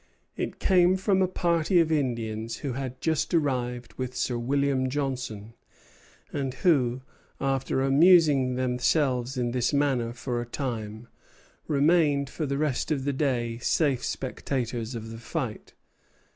It came from a party of Indians who had just arrived with Sir William Johnson, and who, after amusing themselves in this manner for a time, remained for the rest of the day safe spectators of the fight.